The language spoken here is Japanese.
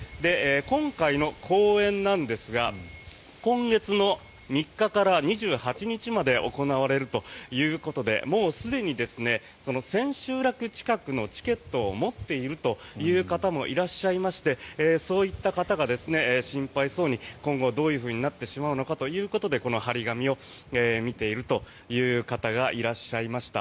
今回の公演なんですが今月の３日から２８日まで行われるということでもうすでに千秋楽近くのチケットを持っているという方もいらっしゃいましてそういった方が心配そうに今後どういうふうになってしまうのかということでこの貼り紙を見ているという方がいらっしゃいました。